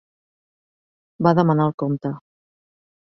Va demanar el compte.